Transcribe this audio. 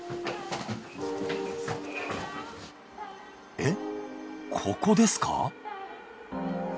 えっここですか？